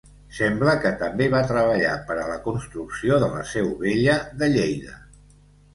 Sembla que també va treballar per a la construcció de la Seu Vella de Lleida.